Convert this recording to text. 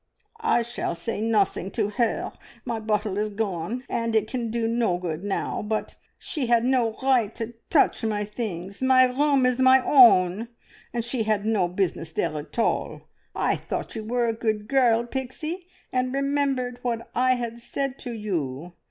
"I shall say nothing to her. My bottle is gone, and it can do no good now. But she had no right to touch my things. My room is my own, and she had no business there at all. I thought you were a good girl, Pixie, and remembered what I had said to you.